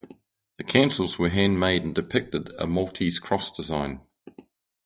The cancels were handmade and depicted a Maltese cross design.